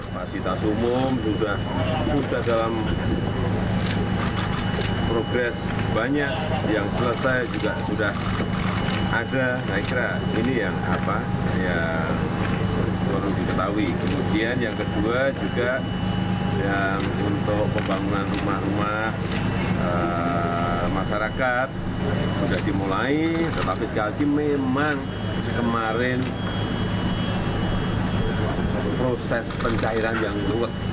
pertama juga untuk pembangunan rumah rumah masyarakat sudah dimulai tetapi sekali lagi memang kemarin proses pencairan yang ruwet